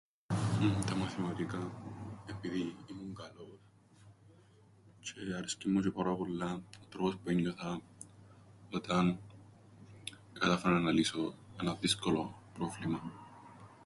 Τα μαθηματικά, επειδή ήμουν καλός τζ̆αι άρεσκεν μου τζ̆αι πάρα πολλά ο τρόπος που ένιωθα όταν εκατάφερνα να λύσω έναν δύσκολον πρόβλημαν.